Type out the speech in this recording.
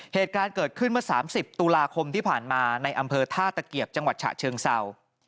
เหตุการณ์เกิดขึ้นเมื่อ๓๐ตุลาคมที่ผ่านมาในอำเภอท่าตะเกียบจังหวัดฉะเชิงเศร้า